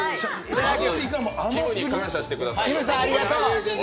きむに感謝してください。